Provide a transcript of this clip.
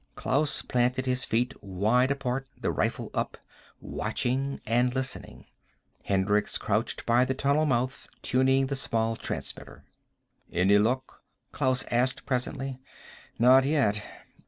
Klaus planted his feet wide apart, the rifle up, watching and listening. Hendricks crouched by the tunnel mouth, tuning the small transmitter. "Any luck?" Klaus asked presently. "Not yet."